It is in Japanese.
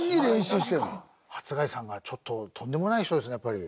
初谷さんはちょっととんでもない人ですねやっぱり。